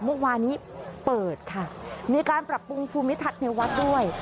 เมื่อวานี้เปิดค่ะมีการปรับปรุงภูมิทัศน์ในวัดด้วย